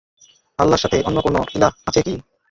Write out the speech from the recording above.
আল্লাহর সাথে অন্য কোন ইলাহ আছে কি?